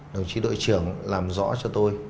đồng chí đội trưởng làm rõ cho tôi